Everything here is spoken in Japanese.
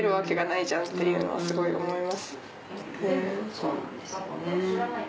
そうなんですよね。